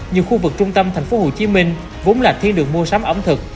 nhiều khu vực trung tâm thành phố hồ chí minh vốn là thiên đường mua sắm ẩm thực